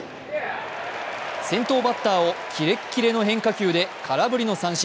先頭バッターをキレッキレの変化球で空振りの三振。